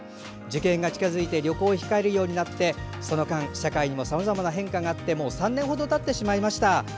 受験が近づいて旅行を控えるようになりその間に社会もさまざまな変化があってもう３年程たってしまいました。